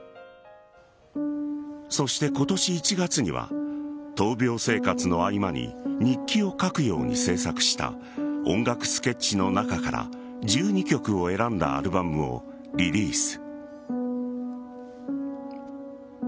そして今年１月には闘病生活の合間に日記を書くように制作した音楽スケッチの中から１２曲を選んだアルバムをリリース。